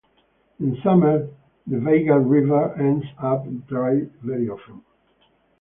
In summers, the Vaigai river ends up dry very often.